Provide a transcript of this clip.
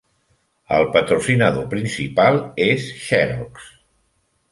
El patrocinador principal és Xerox.